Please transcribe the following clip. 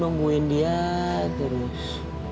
aku nungguin dia terus